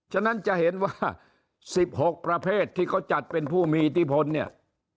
ฉะนั้นจะเห็นว่า๑๖ประเภทที่เขาจัดเป็นผู้มีอิทธิพลเนี่ย